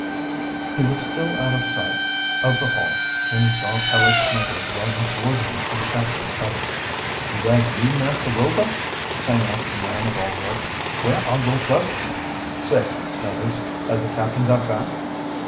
He was still out of sight of the Hall when he saw Peleg Snuggers riding toward him in the captain's cutter. "Is that you, Master Rover!" sang out the man of all work. "Where are your brothers?" "Safe, Snuggers. Has the captain got back?"